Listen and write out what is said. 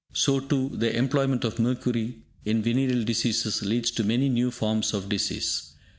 So too, the employment of mercury in venereal diseases leads to many new forms of disease.